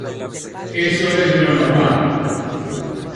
Eso es lo normal.